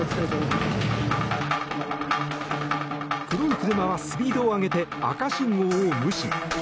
黒い車はスピードを上げて赤信号を無視。